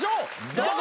どうぞ！